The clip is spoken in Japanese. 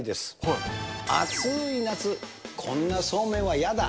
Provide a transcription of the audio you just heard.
暑い夏、こんなそうめんは嫌だ！